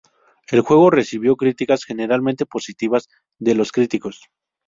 El juego recibió críticas generalmente positivas de los críticos.